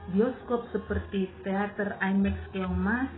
bioskop seperti teater imax keluang mas